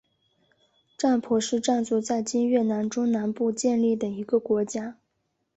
占婆是占族在今越南中南部建立的一个国家。